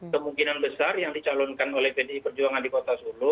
kemungkinan besar yang dicalonkan oleh pdi perjuangan di kota solo